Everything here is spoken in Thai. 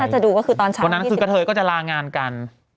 จะดูก็คือตอนเช้าวันนั้นคือกระเทยก็จะลางานกัน